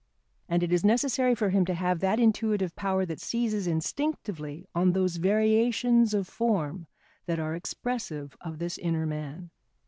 And it is necessary for him to have that intuitive power that seizes instinctively on those variations of form that are expressive of this inner man.